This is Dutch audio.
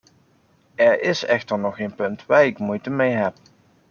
Er is echter nog een punt waar ik moeite mee heb.